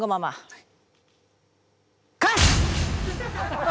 はい。